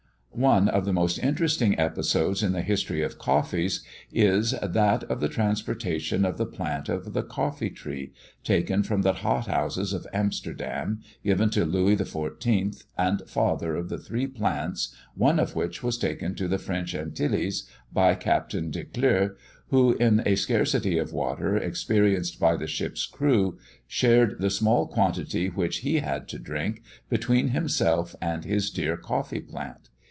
One of the most interesting episodes in the history of coffee is, that of the transportation of the plant of the coffee tree, taken from the hothouses of Amsterdam, given to Louis XIV., and father of the three plants, one of which was taken to the French Antilles by Captain Declieux, who, in a scarcity of water experienced by the ship's crew, shared the small quantity which he had to drink, between himself and his dear coffee plant.